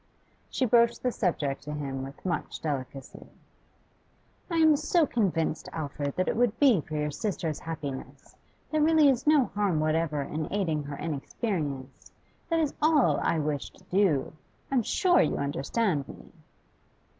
She broached the subject to him with much delicacy. 'I am so convinced, Alfred, that it would be for your sister's happiness. There really is no harm whatever in aiding her inexperience; that is all that I wish to do. I'm sure you understand me?